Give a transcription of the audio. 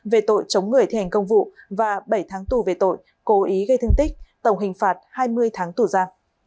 về tội chống người thi hành công vụ và bảy tháng tù về tội cố ý gây thương tích tổng hình phạt hai mươi tháng tù ra